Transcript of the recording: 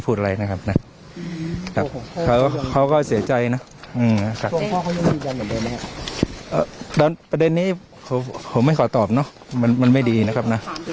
ประเด็นนี้ผมไม่ขอตอบมันไม่ดีนะครับ